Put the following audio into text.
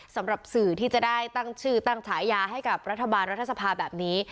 สำหรับสื่อที่จะได้ตั้งชื่อตั้งฉายาให้กับรัฐบาลรัฐสภาแบบนี้